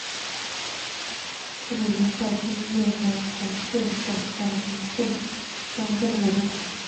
治所约在今越南广治省海陵县和肇丰县的北部。